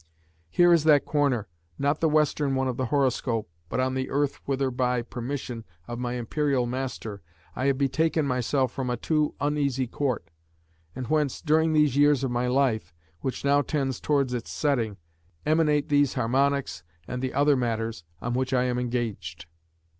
Here is that corner, not the western one of the horoscope, but on the earth whither, by permission of my Imperial master, I have betaken myself from a too uneasy Court; and whence, during these years of my life, which now tends towards its setting, emanate these Harmonics and the other matters on which I am engaged."